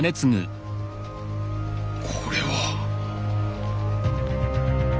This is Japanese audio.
これは。